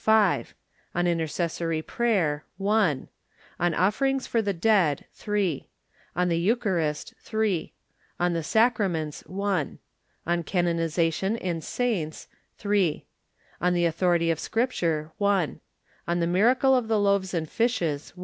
5 On Intercessory Prayer . 1 Propositions — On Offerings for the Dead On the Eucharist . On the Sacraments On Canonization and Saints .... On the Authority of Scripture On the Miracle of the Loaves and Fishes